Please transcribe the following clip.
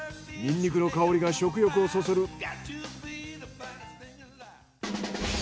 ニンニクの香りが食欲をそそる。